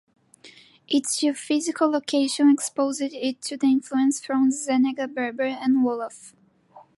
Its geographical location exposed it to influence from Zenaga-Berber and Wolof.